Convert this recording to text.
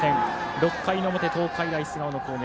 ６回の表、東海大菅生の攻撃。